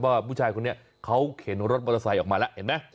ว่าผู้ชายคนนี้เขาเข็นรถมอเตอร์ไซค์ออกมาแล้วเห็นไหม